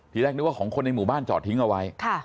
แรกนึกว่าของคนในหมู่บ้านจอดทิ้งเอาไว้